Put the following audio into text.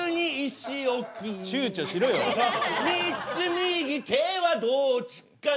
３つ右手はどっちかな